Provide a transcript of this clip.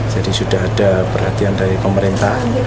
jadi sudah ada perhatian dari pemerintah